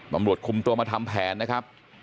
ตำรวจคุมตัวมาทำแผนนะครับ